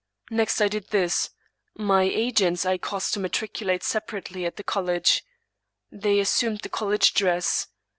Next I did this: My agents I caused to matriculate separately at the college. They assumed the college dress.